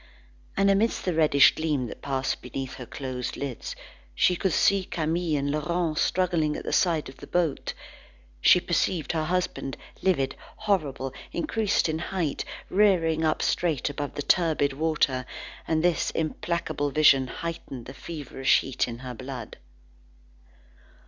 And, amidst the reddish gleam that passed beneath her closed lids, she could still see Camille and Laurent struggling at the side of the boat. She perceived her husband, livid, horrible, increased in height, rearing up straight above the turbid water, and this implacable vision heightened the feverish heat of her blood.